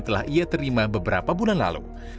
telah ia terima beberapa bulan lalu